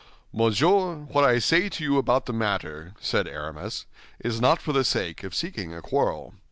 "Monsieur, what I say to you about the matter," said Aramis, "is not for the sake of seeking a quarrel.